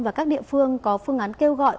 và các địa phương có phương án kêu gọi